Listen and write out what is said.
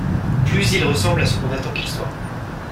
Plus il ressemble à ce qu'on attend qu'il soit.